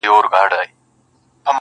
زه پېژنم خپلې سلګۍ تسلي مه راکوه